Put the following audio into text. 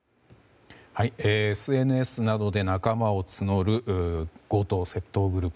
ＳＮＳなどで仲間を募る強盗・窃盗グループ。